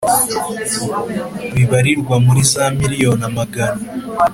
bibarirwa muri za miriyoni amagana